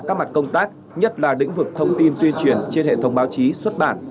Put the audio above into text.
các mặt công tác nhất là lĩnh vực thông tin tuyên truyền trên hệ thống báo chí xuất bản